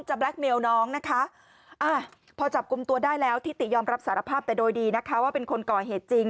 แบล็คเมลน้องนะคะพอจับกลุ่มตัวได้แล้วทิติยอมรับสารภาพแต่โดยดีนะคะว่าเป็นคนก่อเหตุจริง